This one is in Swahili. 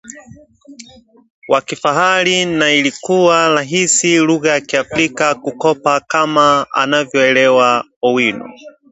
wa kifahari na ilikuwa rahisi lugha za Kiafrika kukopa kama anavyoeleza Owino